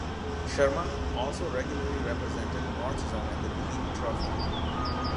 Sharma also regularly represented North Zone in the Duleep Trophy.